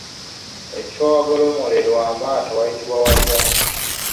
Ekifo awagolomolerwa amaato wayitibwa watya?